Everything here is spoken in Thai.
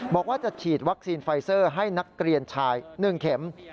บอกว่าจะฉีดวัคซีนไฟเซอร์ให้นักเรียนชาย๑เข็ม